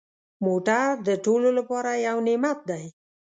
موټر د ټولو لپاره یو نعمت دی.